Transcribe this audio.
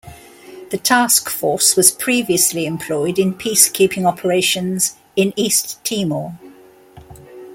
The Task Force was previously employed in peacekeeping operations in East Timor.